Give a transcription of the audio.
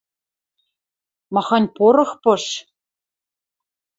Махань порох пыш!